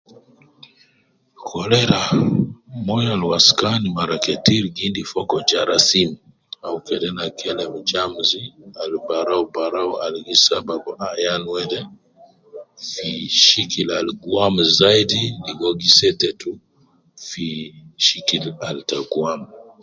Cholera, moyo al waskan mara ketir gi endi fogo jarasin, au kede ina kelem germs al barau barau al gi sababu ayan wede, fi, shikil al gwam zaidi ligo uwo gi setetu fi shikil al ta gwam